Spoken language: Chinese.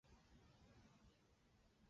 起初客人极少。